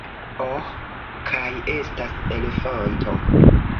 Oh kaj estas elefanto